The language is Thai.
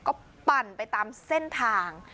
ก็ปั่นไปตามเส้นทาง